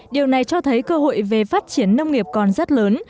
điều này cho thấy cơ hội về phát triển nông nghiệp còn rất lớn